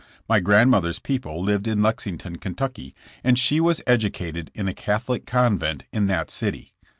My grand mother's people lived in Lexington, Ky., and she was educated in a Catholic convent in that city.